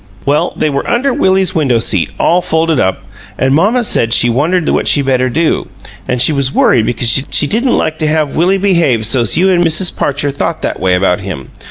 "Well, they were under Willie's window seat, all folded up; an' mamma said she wondered what she better do, an' she was worried because she didn't like to have Willie behave so's you an' Mrs. Parcher thought that way about him.